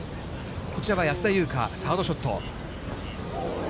こちらは安田祐香、サードショット。